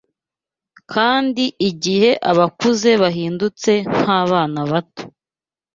kandi igihe abakuze duhindutse “nk’abana bato”